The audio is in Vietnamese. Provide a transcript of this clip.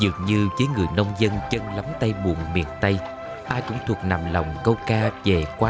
dường như với người nông dân chân lấm tay buồn miền tây ai cũng thuộc nằm lòng câu ca về qua